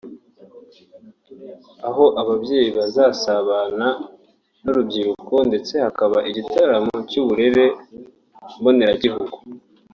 aho abayobozi bazanasabana n’urubyiruko ndetse hakaba n’igitaramo cy’uburere mboneragihugu